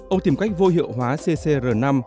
ông tìm cách vô hiệu hóa ccr năm